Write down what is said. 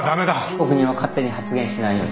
被告人は勝手に発言しないように。